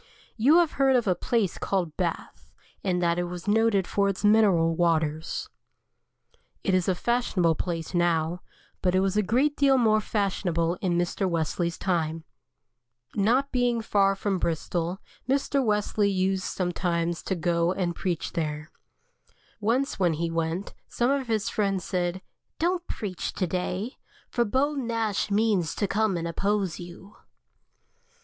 You have heard of a place called Bath, and that it is noted for its mineral waters. It is a fashionable place now, but it was a great deal more fashionable in Mr. Wesley's time. Not being far from Bristol, Mr. Wesley used sometimes to go and preach there. Once when he went, some of his friends said: "Don't preach to day, for Beau Nash means to come and oppose you."